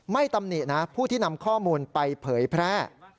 ตำหนินะผู้ที่นำข้อมูลไปเผยแพร่